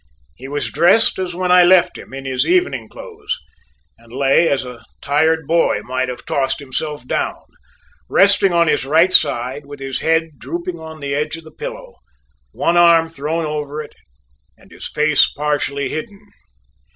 He was dressed as when I left him, in his evening clothes, and lay as a tired boy might have tossed himself down, resting on his right side with his head drooping on the edge of the pillow, one arm thrown over it, and his face partially hidden.